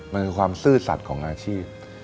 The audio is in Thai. มันคือความซื่อสัตว์ของอาชีพ